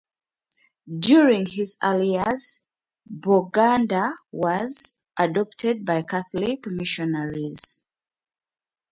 During his early years, Boganda was adopted by Catholic missionaries.